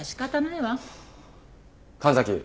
神崎